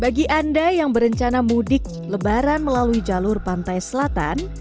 bagi anda yang berencana mudik lebaran melalui jalur pantai selatan